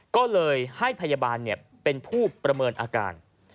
ก็เลยให้พยาบาลเป็นผู้ประเมินอาการ